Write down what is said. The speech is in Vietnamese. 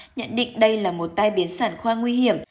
nhận định đây là một tai biến sản khoa nguy hiểm